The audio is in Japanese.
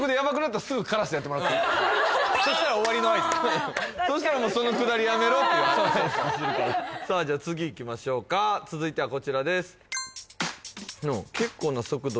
私がそしたら終わりの合図そしたらもうそのくだりやめろっていうそうそうさあじゃあ次いきましょうか続いてはこちらです